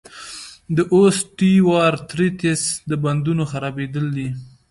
د اوسټیوارتریتس د بندونو خرابېدل دي.